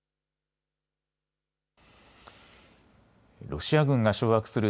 ロシア軍が掌握する